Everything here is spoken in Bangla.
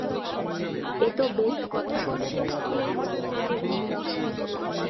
এ তো বেশ কথা।